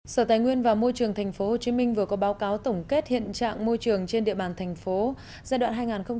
sở tài nguyên và môi trường tp hcm vừa có báo cáo tổng kết hiện trạng môi trường trên địa bàn thành phố giai đoạn hai nghìn một mươi sáu hai nghìn hai mươi